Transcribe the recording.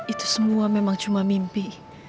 itu semua memang cuma mimpi